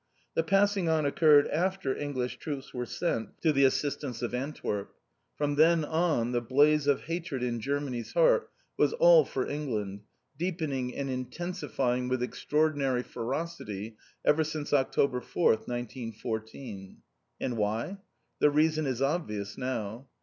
The passing on occurred after English troops were sent to the assistance of Antwerp! From then on, the blaze of hatred in Germany's heart was all for England, deepening and intensifying with extraordinary ferocity ever since October 4th, 1914. And why? The reason is obvious now.